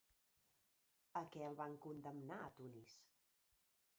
A què el van condemnar a Tunis?